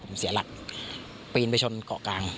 ปีนไปชนเกาะกลาง